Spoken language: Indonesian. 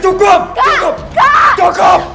cukup cukup cukup